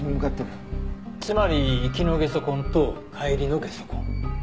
つまり行きのゲソ痕と帰りのゲソ痕。